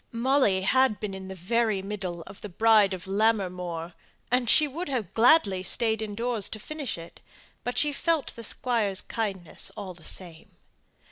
Molly had been in the very middle of the Bride of Lammermoor, and would gladly have stayed in doors to finish it, but she felt the squire's kindness all the same.